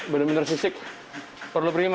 bener bener susik perlu prima